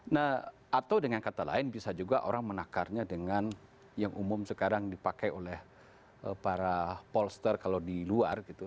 nah atau dengan kata lain bisa juga orang menakarnya dengan yang umum sekarang dipakai oleh para polster kalau di luar gitu